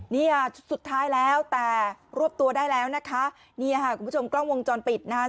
เนี่ยสุดท้ายแล้วแต่รวบตัวได้แล้วนะคะเนี่ยค่ะคุณผู้ชมกล้องวงจรปิดนะคะ